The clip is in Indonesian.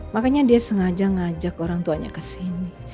makanya dia sengaja ngajak orang tuanya kesini